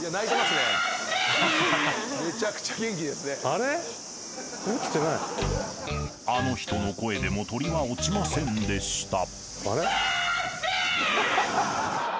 ［あの人の声でも鳥は落ちませんでした］